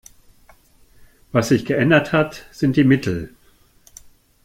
Was sich geändert hat, sind die Mittel.